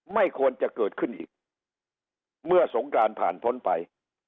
ไม่ควรจะเกิดขึ้นอีกเมื่อสงการผ่านพ้นไป